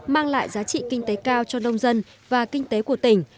mang lại giá trị kinh tế cao cho nông dân và kinh tế của tỉnh